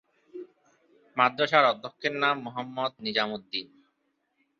মাদ্রাসার অধ্যক্ষের নাম মোহাম্মদ নিজাম উদ্দীন।